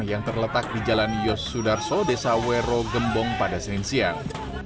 yang terletak di jalan yosudarso desa wero gembong pada senin siang